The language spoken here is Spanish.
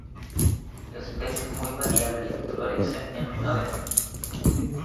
Especie muy variable. Florece en primavera.